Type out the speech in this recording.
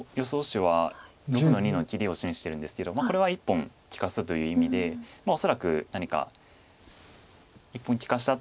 手は６の二の切りを示してるんですけどこれは１本利かすという意味で恐らく何か１本利かした